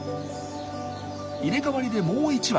入れ替わりでもう１羽。